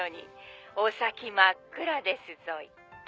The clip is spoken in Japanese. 「お先真っ暗ですぞい」